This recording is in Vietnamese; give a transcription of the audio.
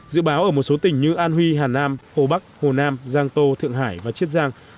dự báo ở một số tỉnh như an huy hà nam hồ bắc hồ nam giang tô thượng hải và chiết giang